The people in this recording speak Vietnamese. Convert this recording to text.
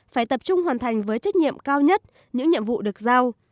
phải tập trung hoàn thành với trách nhiệm cao nhất những nhiệm vụ được giao